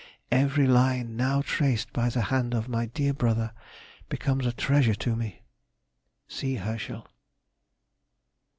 Every line now traced by the hand of my dear brother becomes a treasure to me. "C. HERSCHEL."